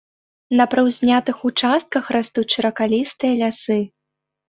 На прыўзнятых участках растуць шыракалістыя лясы.